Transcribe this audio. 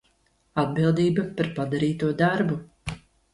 Atbildība par padarīto darbu